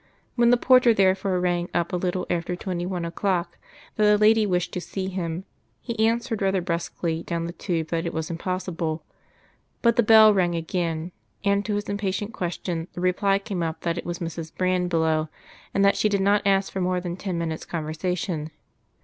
When the porter therefore rang up a little after twenty one o'clock, that a lady wished to see him, he answered rather brusquely down the tube that it was impossible. But the bell rang again, and to his impatient question, the reply came up that it was Mrs. Brand below, and that she did not ask for more than ten minutes' conversation.